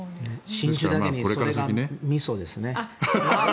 信州だけにそれがみそですね。